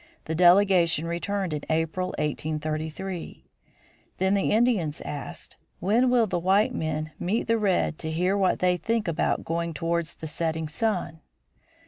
The delegation returned in April, 1833. Then the Indians asked, "When will the white men meet the red to hear what they think about going towards the setting sun?"